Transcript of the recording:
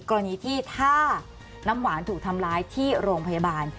กรณีที่ถ้าน้ำหวานถูกทำร้ายที่โรงพยาบาล